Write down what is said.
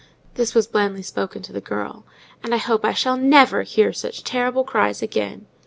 This was blandly spoken to the child. "And I hope I shall never hear such terrible cries again!"